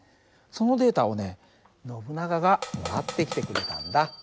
そのデータをねノブナガがもらってきてくれたんだ。